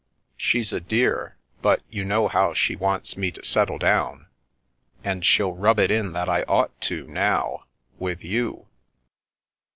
She's a dear, but you know how she wants me to ' settle down/ and she'll rub it in that I ought to now, with you